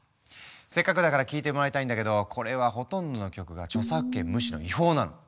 せっかくだから聴いてもらいたいんだけどこれはほとんどの曲が著作権無視の違法なの。